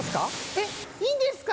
えっいいんですか？